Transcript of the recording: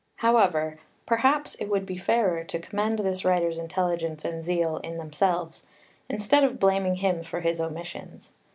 However, perhaps it would be fairer to commend this writer's intelligence and zeal in themselves, instead of blaming him for his omissions.